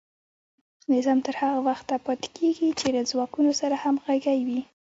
نظام تر هغه وخته پاتې کیږي چې له ځواکونو سره همغږی وي.